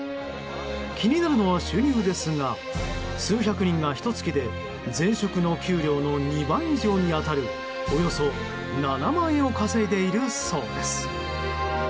気になるのは収入ですが数百人が、ひと月で前職の給料の２倍以上に当たるおよそ７万円を稼いでいるそうです。